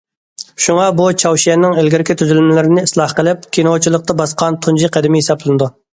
شۇڭا بۇ چاۋشيەننىڭ ئىلگىرىكى تۈزۈلمىلىرىنى ئىسلاھ قىلىپ، كىنوچىلىقتا باسقان تۇنجى قەدىمى ھېسابلىنىدۇ.